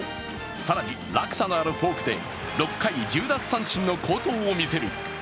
更に落差のあるフォークで６回１０奪三振の好投を見せる。